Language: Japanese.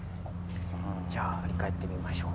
じゃあ振り返ってみましょう。